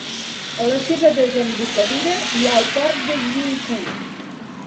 A la seva desembocadura hi ha el port de Yingkou.